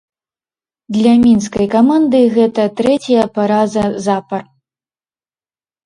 Для мінскай каманды гэта трэцяя параза запар.